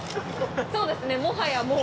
そうですねもはやもう。